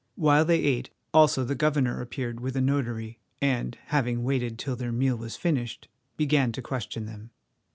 While they ate, also the governor appeared with a notary, and, having waited till their meal was finished, began to question them.